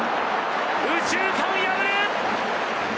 右中間を破る。